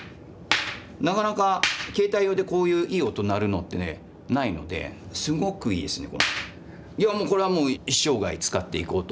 なかなか携帯用でこういういい音鳴るのってねないのですごくいいですね。